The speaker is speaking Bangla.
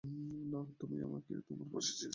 না, তুমি আমাকে তোমার পাশে চেয়েছিলে!